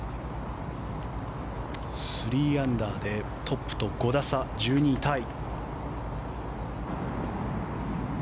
３アンダーでトップと５打差１２位タイ。